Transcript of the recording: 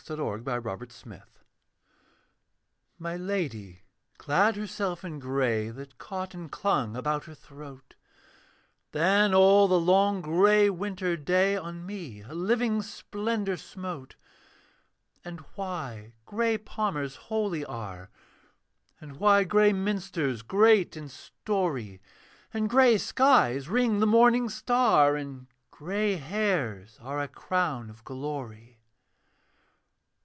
A CHORD OF COLOUR My Lady clad herself in grey, That caught and clung about her throat; Then all the long grey winter day On me a living splendour smote; And why grey palmers holy are, And why grey minsters great in story, And grey skies ring the morning star, And grey hairs are a crown of glory.